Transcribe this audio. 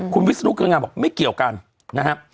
คุณวิสนุกก็ยังไงบอกไม่เกี่ยวกันนะครับ